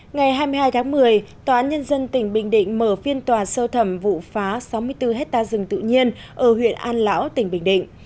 ngày hai mươi hai tháng một mươi tòa án nhân dân tỉnh bình định mở phiên tòa sơ thẩm vụ phá sáu mươi bốn hectare rừng tự nhiên ở huyện an lão tỉnh bình định